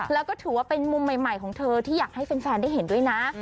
แล้วก็ถือว่าเป็นมุมใหม่ของเธอที่อยากให้แฟนได้เห็นด้วยนะ